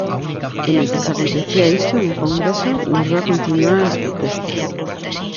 E mentres acontecía isto no Congreso, na rúa continúan as protestas.